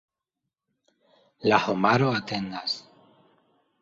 La homaro atendas.